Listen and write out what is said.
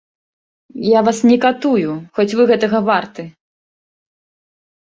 Я вас не катую, хоць вы гэтага варты.